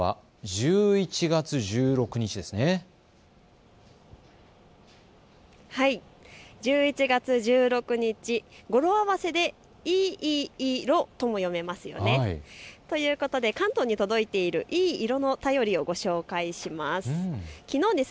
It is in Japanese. １１月１６日、語呂合わせでいい色とも読めますよね。ということで関東に届いているいい色の便りをご紹介します。